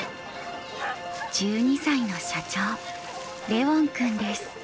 １２歳の社長レウォン君です。